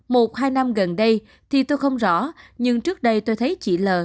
một hai năm gần đây thì tôi không rõ nhưng trước đây tôi thấy chị l